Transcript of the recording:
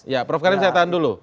ya prof karim saya tahan dulu